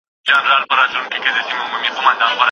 د خلکو احساساتو ته يې پام و.